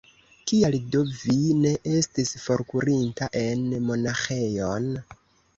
Kial do vi ne estis forkurinta en monaĥejon?